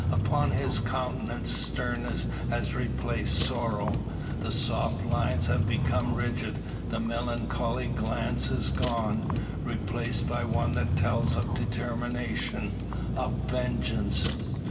Upon his countenance sternness has replaced sorrow; the soft lines have become rigid; the melancholy glance is gone, replaced by one that tells of determination of vengeance.